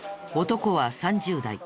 男は３０代。